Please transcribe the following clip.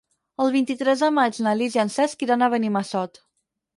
El vint-i-tres de maig na Lis i en Cesc iran a Benimassot.